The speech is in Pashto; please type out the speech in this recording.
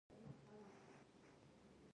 آیا مالیه پر معاشونو وضع کیږي؟